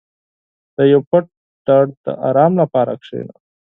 • د یو پټ درد د آرام لپاره کښېنه.